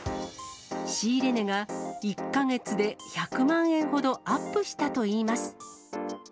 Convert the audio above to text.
仕入れ値が１か月で１００万円ほどアップしたといいます。